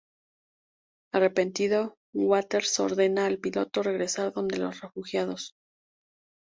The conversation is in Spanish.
Arrepentido, Waters ordena al piloto regresar donde los refugiados.